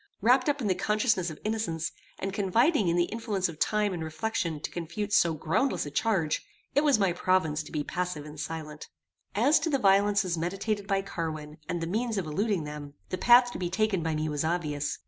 Wrapt up in the consciousness of innocence, and confiding in the influence of time and reflection to confute so groundless a charge, it was my province to be passive and silent. As to the violences meditated by Carwin, and the means of eluding them, the path to be taken by me was obvious.